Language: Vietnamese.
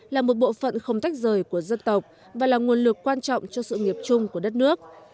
là một bộ phận không tách rời của dân tộc và là nguồn lực quan trọng cho sự nghiệp chung của đất nước